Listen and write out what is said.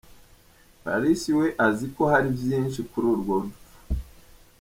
Paris we azi ko hari vyinshi kuri urwo rupfu.